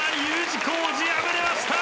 Ｕ字工事敗れました！